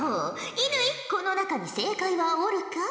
乾この中に正解はおるか？